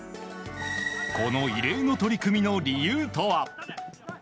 この異例の取り組みの理由とは。